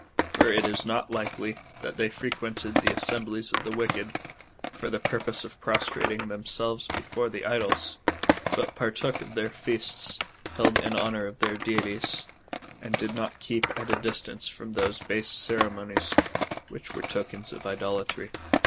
For it is not likely, that they frequented the assemblies of the wicked, for the purpose of prostrating themselves before the idols, but partook of their feasts, held in honour of their deities, and did not keep at a distance from those base ceremonies, which were tokens of idolatry.